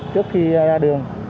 trước khi ra đường